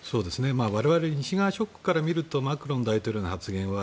我々、西側諸国から見るとマクロン大統領の発言は